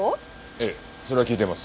ええそれは聞いています。